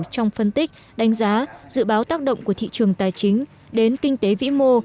trong phân tích đánh giá dự báo tác động của thị trường tài chính đến kinh tế vĩ mô